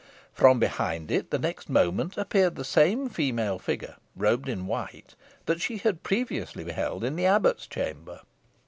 From behind it, the next moment, appeared the same female figure, robed in white, that she had previously beheld in the abbot's chamber.